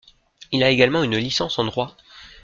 Il a également une licence en droit.